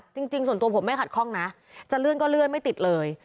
จริงส่วนตัวผมไม่ขัดข้องนะจะเลื่อนก็เลื่อนไม่ติดเลย